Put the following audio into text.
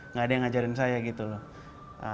nggak ada yang ngajarin saya gitu loh